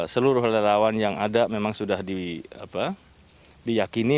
seluruh kerelawan yang ada memang sudah diakini